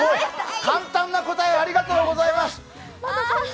簡単な答えありがとうございます。